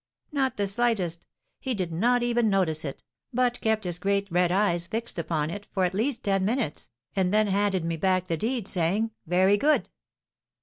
"Not the slightest. He did not even notice it, but kept his great red eyes fixed upon it for at least ten minutes, and then handed me back the deed, saying, 'Very good!'"